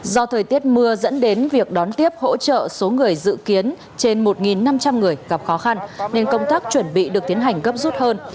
do thời tiết mưa dẫn đến việc đón tiếp hỗ trợ số người dự kiến trên một năm trăm linh người gặp khó khăn nên công tác chuẩn bị được tiến hành gấp rút hơn